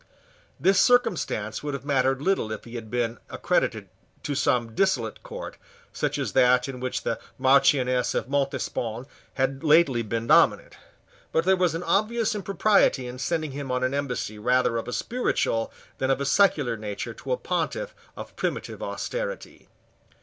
This circumstance would have mattered little if he had been accredited to some dissolute court, such as that in which the Marchioness of Montespan had lately been dominant. But there was an obvious impropriety in sending him on an embassy rather of a spiritual than of a secular nature to a pontiff of primitive austerity.